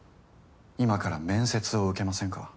今から面接を受けませんか？